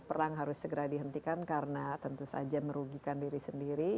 perang harus segera dihentikan karena tentu saja merugikan diri sendiri